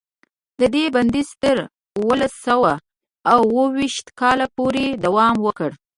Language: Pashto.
د دې بندیز تر اوولس سوه اوه ویشت کاله پورې دوام وکړ.